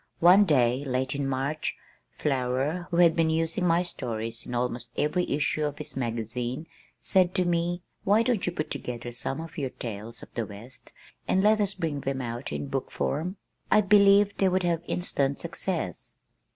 One day, late in March, Flower, who had been using my stories in almost every issue of his magazine, said to me: "Why don't you put together some of your tales of the west, and let us bring them out in book form? I believe they would have instant success."